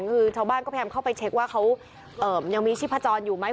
คือชาวบ้านก็พยายามเข้าไปเช็คว่าเขายังมีชีพจรอยู่ไหม